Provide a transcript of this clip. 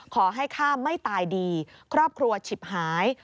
ข้าไม่ตายดีครอบครัวฉิบหาย